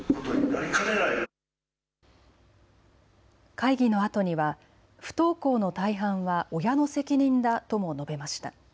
会議のあとには不登校の大半は親の責任だとも述べました。